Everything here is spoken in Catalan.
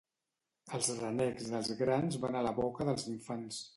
Els renecs dels grans van a la boca dels infants.